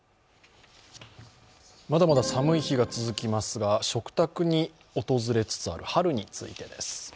まだまだ寒い日が続きますが、食卓に訪れつつある春についてです。